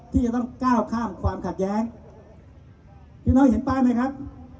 ที่จะต้องก้าวข้ามความขัดแย้งพี่น้องเห็นป้ายไหมครับ